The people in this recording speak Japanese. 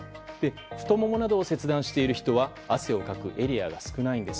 太ももなどを切断している人は汗をかくエリアが少ないんです。